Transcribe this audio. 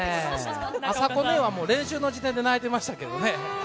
あさこ姉は、もう練習の時点で泣いてましたけどね。